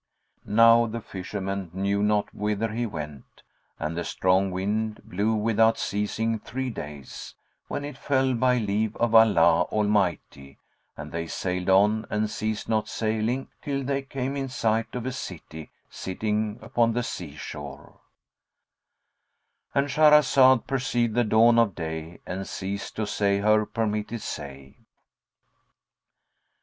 Now the fisherman knew not whither he went, and the strong wind blew without ceasing three days, when it fell by leave of Allah Almighty, and they sailed on and ceased not sailing till they came in sight of a city sitting upon the sea shore,—And Shahrazad perceived the dawn of day and ceased to say her permitted say.